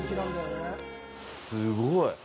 すごい！